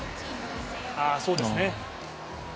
ああ、そうですね。